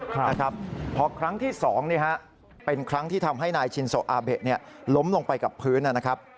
เพราะครั้งที่สองเป็นครั้งที่ทำให้นายจินโสะอาเบะล้มลงไปกับพื้น